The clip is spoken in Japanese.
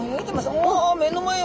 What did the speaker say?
お目の前を！